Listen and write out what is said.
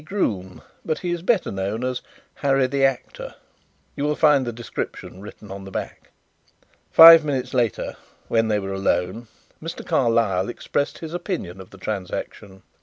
Groom, but he is better known as 'Harry the Actor.' You will find the description written on the back." Five minutes later, when they were alone, Mr. Carlyle expressed his opinion of the transaction.